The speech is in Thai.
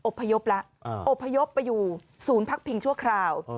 พยพละอบพยพไปอยู่ศูนย์พักพิงชั่วคราว